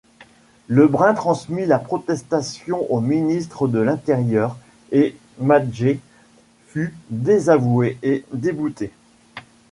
Lebrun transmit la protestation au ministre de l'Intérieur, et Madget fut désavoué et débouté.